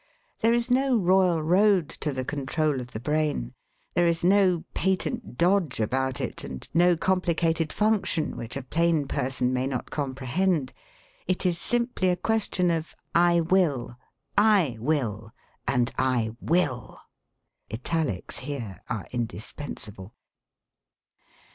There is no royal road to the control of the brain. There is no patent dodge about it, and no complicated function which a plain person may not comprehend. It is simply a question of: 'I will, I will, and I will.' (Italics here are indispensable.)